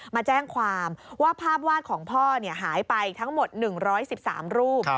มาแจ้งความว่าภาพวาดของพ่อหายไปทั้งหมด๑๑๓รูป